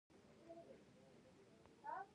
نیلی رنګ ښه دی.